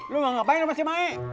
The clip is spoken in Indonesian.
lo mau ngapain ke rumah sumaik